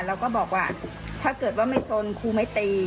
แล้วก็บอกว่าถ้าเกิดว่าไม่ชนครูไม่ตี